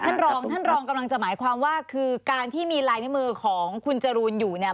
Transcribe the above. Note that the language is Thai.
ท่านรองท่านรองกำลังจะหมายความว่าคือการที่มีลายนิ้วมือของคุณจรูนอยู่เนี่ย